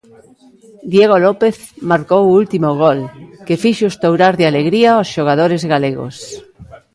Diego López marcou o último gol, que fixo estourar de alegría os xogadores galegos.